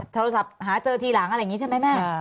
โทรศัพท์หาเจอทีหลังอะไรอย่างนี้ใช่ไหมแม่